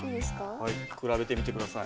はい比べてみて下さい。